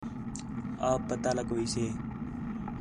آپ پتہ لڳ ویسے